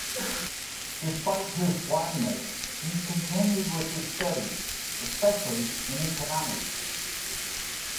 Despite his blindness, he continued with his studies, especially in economics.